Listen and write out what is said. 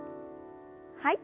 はい。